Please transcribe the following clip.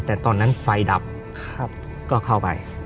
แต่ตอนนั้นไฟดับก็เข้าไป